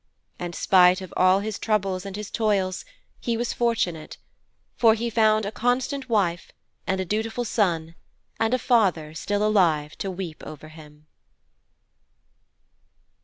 And spite of all his troubles and his toils he was fortunate, for he found a constant wife and a dutiful son and a father still alive to weep over him.